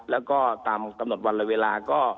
แล้วก็ตามกำหนดวันละเวลาก็